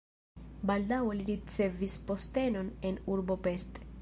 Baldaŭe li ricevis postenon en urbo Pest.